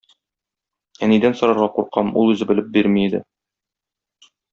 Әнидән сорарга куркам, ул үзе белеп бирми иде.